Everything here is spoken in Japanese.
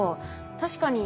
確かに。